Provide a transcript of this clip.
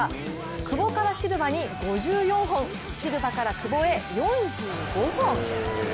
久保からシルバに５４本、シルバから久保へ４５本。